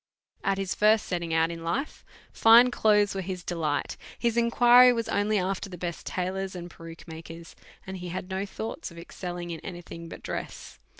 At his first setting out in life, fine clothes were his delight, his inquiry was only after the best tailors and peruke makers, and he had no thoughts of excelling in any thing but dress.